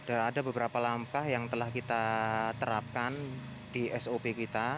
ada beberapa langkah yang telah kita terapkan di sop kita